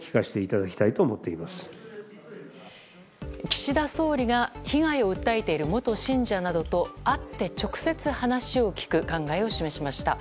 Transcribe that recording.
岸田総理が被害を訴えている元信者などと会って直接話を聞く考えを示しました。